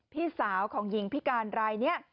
พี่สาวของหญิงพิการรายนี้